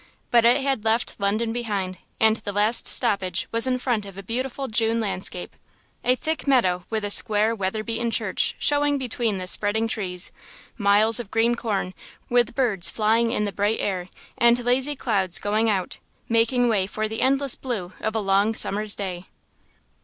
But it had left London behind, and the last stoppage was in front of a beautiful June landscape. A thick meadow with a square weather beaten church showing between the spreading trees; miles of green corn, with birds flying in the bright air, and lazy clouds going out, making way for the endless blue of a long summer's day.